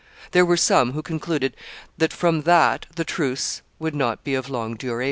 There were some who concluded from that that the truce would not be of long duration.